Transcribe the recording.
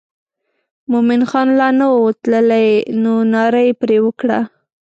مومن خان لا نه و تللی نو ناره یې پر وکړه.